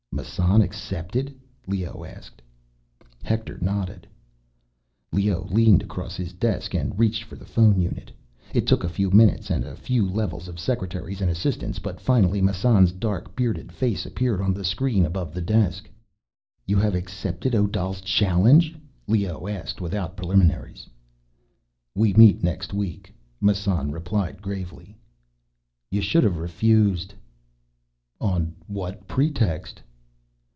"Massan accepted?" Leoh asked. Hector nodded. Leoh leaned across his desk and reached for the phone unit. It took a few minutes and a few levels of secretaries and assistants, but finally Massan's dark, bearded face appeared on the screen above the desk. "You have accepted Odal's challenge?" Leoh asked, without preliminaries. "We meet next week," Massan replied gravely. "You should have refused." "On what pretext?"